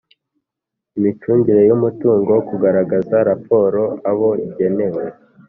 imicungire y'umutungo, kugaragariza raporo abo igenewe,